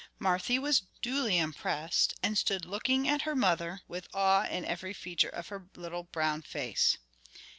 Marthy was duly impressed, and stood looking at her mother with awe in every feature of her little brown face.